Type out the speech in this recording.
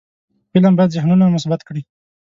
فلم باید ذهنونه مثبت کړي